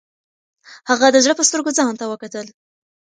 هغه د زړه په سترګو ځان ته وکتل.